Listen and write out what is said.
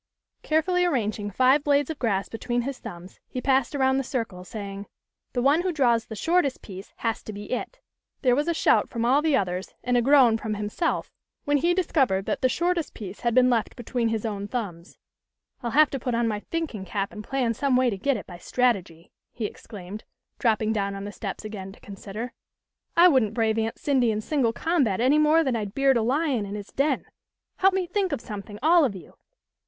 Carefully arranging five blades of grass between his thumbs, he passed around the circle, saying, " The one who draws the shortest piece has to be 'it.'" There was a shout from all the others and a groan from himself when he discovered that the shortest piece had been left between his own thumbs. "I'll have to put on my thinking cap and plan some way to get it by strategy," he exclaimed, drop ping down on the steps again to consider. " I wouldn't brave Aunt Cindy in single combat any more than I'd beard a lion in his den. Help me think of something, all of you."